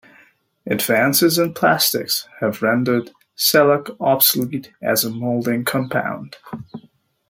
Advances in plastics have rendered shellac obsolete as a moulding compound.